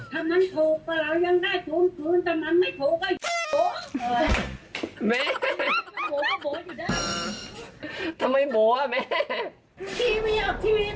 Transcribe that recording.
ถ้ามันถูกป่าเว้ายังได้ชูมพื้น